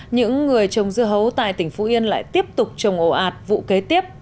những người trồng dưa hấu tại tỉnh phú yên lại tiếp tục trồng ổ ạt vụ kế tiếp